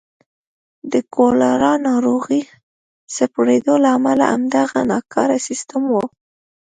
د کولرا ناروغۍ خپرېدو لامل همدغه ناکاره سیستم و.